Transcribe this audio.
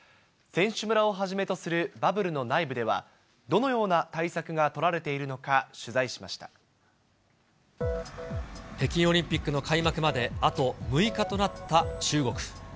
選手村をはじめとするバブルの内部ではどのような対策が取られて北京オリンピックの開幕まであと６日となった中国。